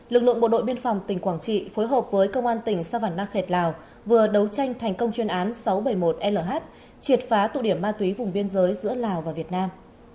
lực lượng bộ đội biên phòng tỉnh quảng trị phối hợp với công an tỉnh sa văn na khệt lào vừa đấu tranh thành công chuyên án sáu trăm bảy mươi một l triệt phá tụ điểm ma túy vùng biên giới giữa lào và việt nam